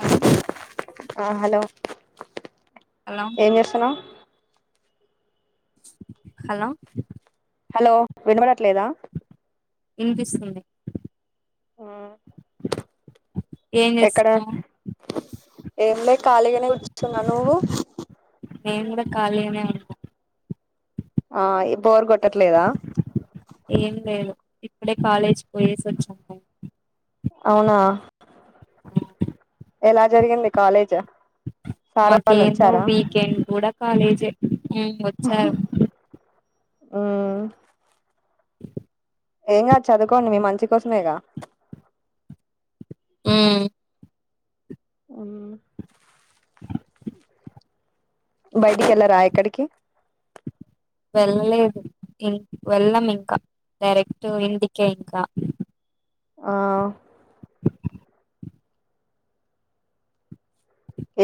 Hello ఆ hello hello ఏం చేస్తున్నావ్ హలో హలో వినపడ ఇనిపిస్తుంది ఆ ఏం చేస్తున్నావ్ ఏం లే ఖాళీగానే కూర్చున్నా నువ్వు నేన్ గుడా ఖాళీగనే ఉన్న ఆ ఈ బోర్ గోట్ ఏం లేదు ఇప్పుడే కాలేజీ పోయేసి వచ్చాము అవునా ఎలా జరిగింది కాలేజ్? సార్ వాళ్ళు వచ్చారా. తె ఉ వచ్చారు ఆ ! ! ఏం కాదు చదువుకోండి మీ మంచి కోసమేగా ఉమ్ అన్ను ! ! బయటికి వెళ్ళరా ఎక్కడికి వెళ్ళలేదు వెళ్ళం ఇంకా డైరెక్ట్ ఇంటికే ఇంకా ఆ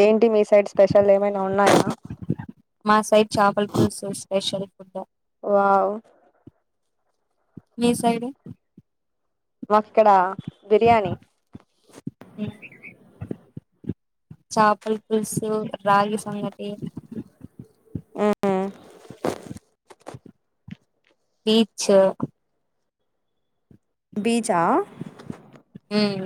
ఏంటి మీ సైడ్ స్పెషల్ ఏమైనా ఉన్నాయా వద్దా వావ్ మీ సైడు వక్కడ బిర్యాణి చాపల్ పులుసు రాగి సంగటి పీచ్ బీజా ఉమ్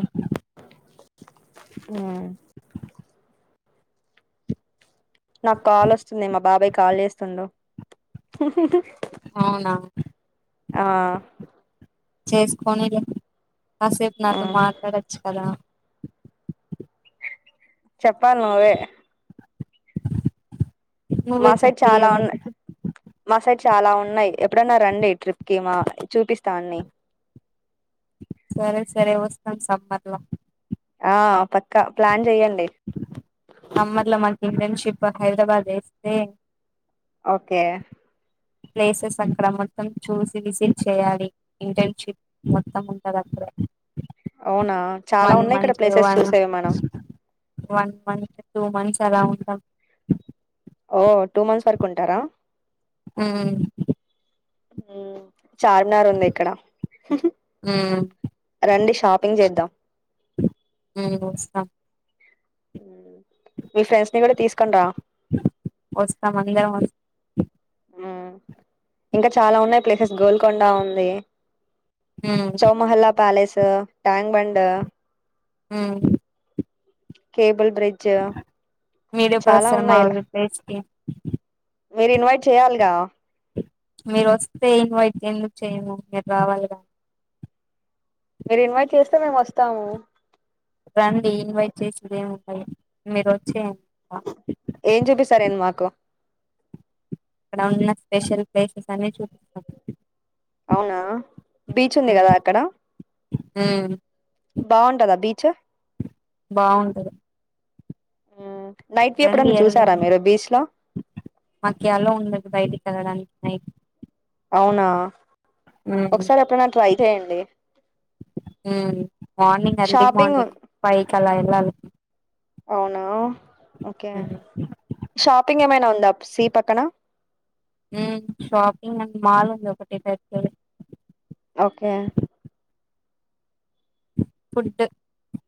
నాకు కాల్ వస్తుంది మా బాబాయ్ కాల్ చేస్తుండో అవునా ఆ చేసుకొనిలే కాసేపు నాతో మ్ మాట్లాడచ్చు కదా? చెప్పాలి నువ్వే నువ్వే మా సైడ్ చెప్పు చాలా ఏదో ఉన్నాయి. ఒకటి మా సైడ్ చాలా ఉన్నాయి ఎప్పుడన్న రండి ట్రిప్ కి మా చూపిస్తా అన్ని సరే సరే వస్తాం సమ్మర్ లో ఆ పక్క ప్లాన్ చెయ్య సమ్మర్ లొ మనకి ఫ్రెండ్షిప్ ఇ హైదరాబాద్ వేస్తే ఓకే ప్లేసెస్ అక్కడ మొత్తం చూసి విజిట్ చేయాలి ఇంటర్న్షిప్ మొత్తం ఉంటది అక్కడే అవునా చాలా వన్ ఉన్నాయి ఇక్కడ మంతు ప్లేసెస్ వన్ చూసేవి మనం month one month two months కదా బ్రో ఓ టూ మంత్స్ వరకు ఉంటారా హ్మ్ ఆ చార్మినార్ ఉంది ఇక్కడ ఉమ్ రండి షాపింగ్ చేద్దాం ఉమ్ వస్తాం మీ ఫ్రెండ్స్ ని కూడా తీసుకొని రా వస్తాం అందరం వస్త ఇంకా చాలా ఉన్నాయి ప్లేసెస్ గోల్కొండ ఉంది ఉమ్ చౌమహల్లా ప్యాలెస్ ండ్ ట్యాంగ్ బండ్ హ్మ్ కేబల్ మీరుప్పుడు వస్తారు మా ఉన్నాయి ఇలా విలేజ్ కి మీరు ఇన్వైట్ చెయాలిగా మీరు వస్తే ఇన్వైట్ ఎందుకు చేయము మీరు రావాలి కానీ మీరు ఇన్వైట్ చేస్తే మేము వస్తాము రండి ఇన్వైట్ చేసదేం అయ మీరు వచ్చి ఏం చూపిస్తారు ఏంటి మాకు అక్కడ ఉన్న స్పెషల్ ప్లేసెస్ అన్ని చూపిస్తాం అవునా బీచ్ ఉంది కదా అక్కడ హ్మ్ బాగుంటదా బీచ్ బాగుంటది హ్మ్ రండి ఎళ్దాం మాకు యాలో ఉండదు బయటి డానికి అవునా హ్మ్ ఒకసారి ఎప్పుడైనా ట్రై చేయండి హ్మ్ మార్నింగ్ ఎర్లీ షాపింగ్ ఉన్ మార్నింగ్ ఫైవ్ చాలా ఎళ్లాలి అవునా ఓకే ఉమ్ షాపింగ్ ఏమైనా సీ పక్కనా వూహ్ షాపింగ్ అండ్ మాల్ అని ఒకటి పెట్టెయ్ ఒకే ఫుడ్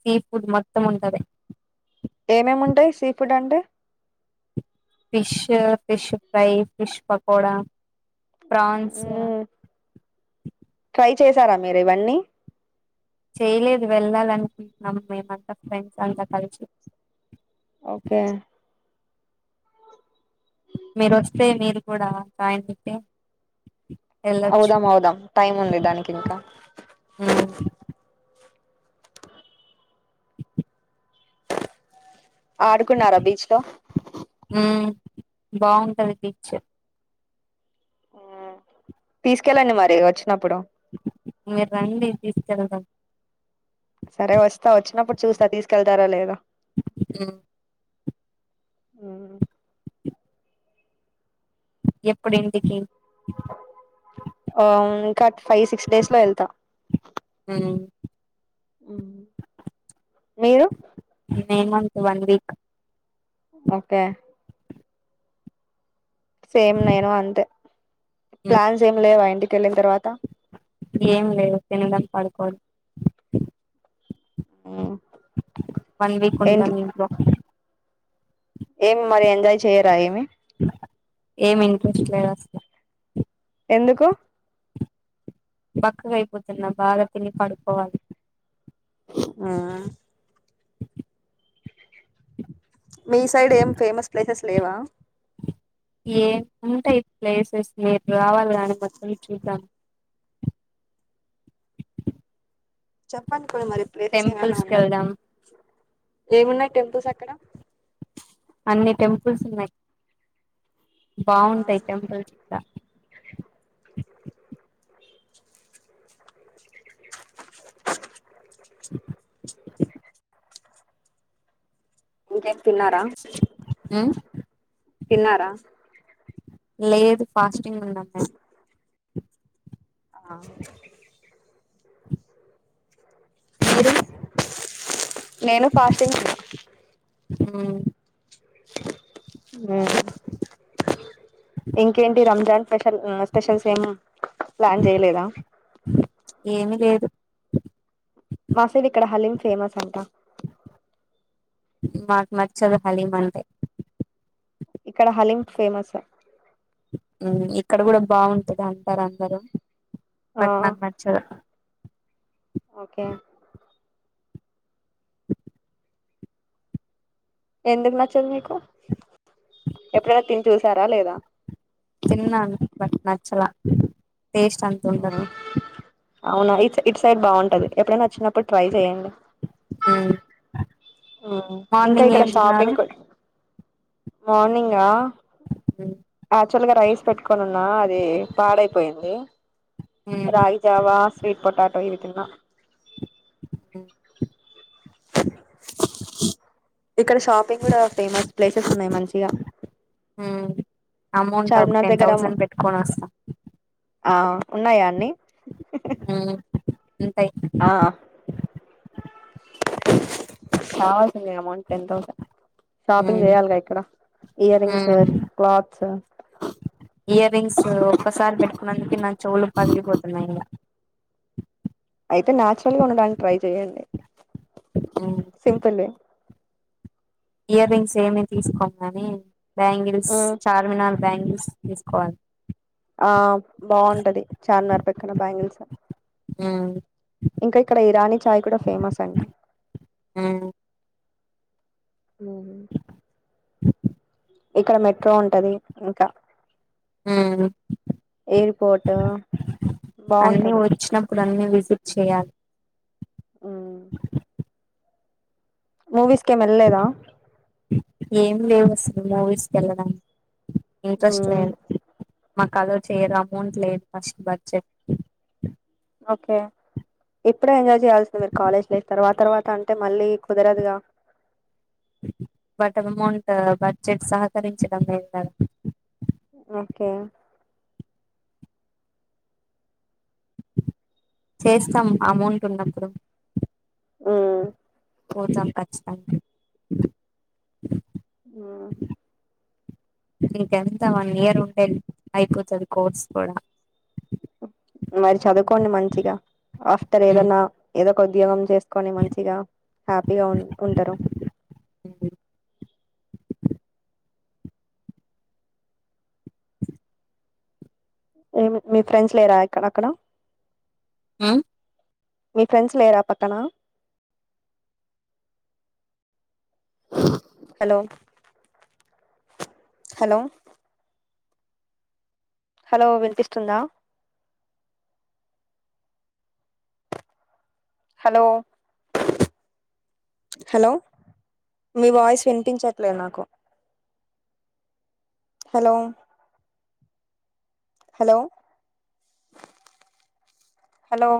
సీ ఫుడ్ మొత్తం ఉండద ఏమేం ఉంటాయ్ సీ ఫుడ్ అంటే fish fish fry fish pakoda prawns పై చేసారా మీరు ఇవన్నీ చేయలేదు వెళ్ళాలనుకుంటున్నాం మేమంతా ఫ్రెండ్స్ అంతా కలిసి ఓకే మీరు వస్తే మీరు కూడా జాయిన్ అయితే వెళ్ళొచ్చు అవుదాం అవుదాం టైం ఉంది దానికి ఇంకా ఉమ్ ఆడుకున్నారా బీచ్ లో బావుంటది బీచ్ ఊ తీసుకెళ్లండి మరి వచ్చినప్పుడు మీరు రండీ తీసుకెల్దం సరే వస్తా వచ్చినప్పుడు చూస్తా తీసుకెళ్తారో లేదో ఊ ఎప్పుడింటికీ అవును కట్స్ ఫై సిక్స్ డేస్ లో ఎల్తా ఊ మీరు మే మంత్ వన్ వీక్ ఒకే సేమ్ నేనూ అంతే ప్లాన్స్ ఏం లేవా ఇంటికి వెళ్ళిన తర్వాత ఏం లేదు తినడం పడుకొ ఒన్ వన్ వీక్ ఏంటి ఉంటాం ఇంట్లో ఏం మరేం దయ చేయరా ఏమి ఏం ఇంట్రెస్ట్ లేదసలు ఎందుకూ బక్కగవైపుతున్న బాగా తిని పడుకోవాలి హా మీ సైడ్ ఏం ఫేమస్ ప్లేసెస్ లేవా ఏ ఉంటయి ప్లేసెస్ మీరు రావల్గాని మొత్తం చూద్దాం చెప్పండిప్పుడు మరి ప్లేసెస్ ఏమైనా టెంపుల్స్ కి ఉన్నాయ్ వెళ్దాం ఏమున్నాయ్ టెంపుల్స్ ఎక్కడ అన్ని టెంపుల్స్ ఉన్నాయి ఆ బావుంటాయి టెంపుల్స్ ఇక్కడ [inaudible] ఇంకేం తిన్నారా తిన్నారా లేదు ఫాస్ట్ ఇంగో నా ఫోన్ ఆ మీరు నేను ఫాస్టింగ్ ఆ ఇంకేంటి రంజాన్ స్పెషల్ స్పెషల్స్ ఏం ప్లాన్ చేయలేదా ఏమి లేదు వాసవి ఇక్కడ హలీమ్ ఫేమస్ అంట నాకు మచ్చదు హలీమంతే ఇక్కడ హలిం ఫేమస్ ఇక్కడ కూడా బాగుంటది అంటారు అందరూ ఆ బట్ నక్ మచద ఓకే ఎందుకు నచ్చదు మికు ఎప్పుడనా తిని చూసారా లేదా తిన్న బట్ నచ్చలా టేస్ట్ అంత ఉండదు మ్మ్ అవునా ఇట్ ఇట్ సైడ్ బాగుంటది ఎప్పుడైనా వచ్చినప్పుడు ట్రై చెయండి అ ఇంకా ఇక్కడ షాపింగ్ కూడా మార్నింగ్ ఆహ్ హ క్చువల్గా రైస్ పెట్టుకనిన్నా అది పాడైపోయింది రాగి జావా స్వీట్ పొటాటో ఇవి అలా ఓ [inaudible] ఇక్కడషాపు ఫేమస్ ప్లేసెస్ ఉన్నాయి మంచిగ అమౌంట్ ఒక చార్మినార్ టెన్ దగ్గర థౌసండ్ పెట్టుకొని వస్తా ఆ ఉన్నాయా అన్నీ హ ఉంటయి కావాల్సిందే అమౌంట్ టెన్ థౌసండ్. షాపింగ్ హ్మ్ చేయాలిగా ఇక్కడ ఇయర్ రింగ్స్ హ్మ క్లాత్స్ ఇయర్ రింగ్స్ ఒక్కసారి పెట్టుకున్నందుకె నా చెవులు పగిలిపోతున్నాయి ఇంగ. అయితే నాచురల్గా ఉండడానికి ట్రై చెయండి. సింపుల్లే ఇయర్ రింగ్స్ ఏమి తీసుకోమ్ కానీ బ్యాంగిల్స్ ఉమ్, చార్మినార్ బ్యాంగిల్స్ తీసుకోవాలి ఆ బాగుంటది చార్మినార్ పక్కన బ్యాంగిల్స్. ఇంకా ఇక్కడ ఇరానీ ఛాయ్ కూడా ఫేమస్ అంట. ఊ హూ ఇక్కడ మెట్రో ఉంటది ఇంకా హ్మ ఎయిర్పోర్ట్ అన్నీ బాగుంటది వచ్చినప్పుడు అన్నీ విజిట్ చెయాలి. మూవీస్ కేం వెెళ్ల్లేదా. ఏం వేవ్ వస్తుంది మూవీస్కి వెళ్ళడం. ఇంట్రెస్ట్ ఉమ్, లేదు. మాక్ అల్లో చెయ్యరా. అమౌంట్ లేదు ఫస్ట్ బడ్జెట్. ఓకే ఇప్పుడే ఎంజాయ్ చేయయాల్సింది మీరు కాలేజ్ లైఫ్ తర్వాత్ తర్వాత అంటే మళ్ళీ కుదరదుగా. బట్ అమౌంట బడ్జెట్ సహకరించడం లేదు కదా. ఓకే చేస్తాం అమౌంట్ ఉన్నప్పుడు. ఊ పోతాం ఖచ్చితంగా. ఇకెంత వన్ ఇయర్ ఉంటే అయిపోతది కోర్స్ కూడా. మరి చదువుకోండి మంచిగా ఆఫ్టర్ ఉమ్ ఏదన్నా ఏదొ ఉద్యోగం చేసుకొని మంచిగా హ్యాపీగా ఉం ఉంటరు. ఏం మీ ఫ్రెండ్స్ లేరా ఎక్కడ అక్కడ ఊ మీ ఫ్రెండ్స్ లేరా పక్కనా హలో హలో హలో వినిపిస్తుందా. హలో హలో మీ వాయిస్ వినిపించట్లేదు నాకు. Hello hello hello